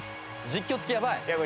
実況付きやばい！